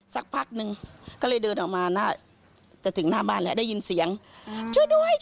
สักพักนึงก็เลยเดินออกมาน่าจะถึงหน้าบ้านแล้วได้ยินเสียงช่วยด้วยช่วย